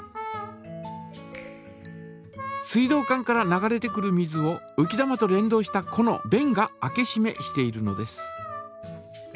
水道管から流れてくる水をうき玉と連動したこのべんが開けしめしているのです。